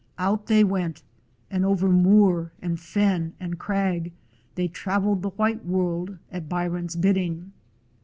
Out they went, and over moor and fen and crag they traveled the white world at Byron's bidding.